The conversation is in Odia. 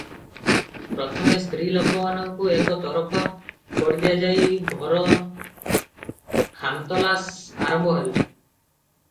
ପ୍ରଥମେ ସ୍ତ୍ରୀ ଲୋକମାନଙ୍କୁ ଏକ ତରଫ କରିଦିଆଯାଇ ଘର ଖାନତଲାସ ଆରମ୍ଭ ହେଲା ।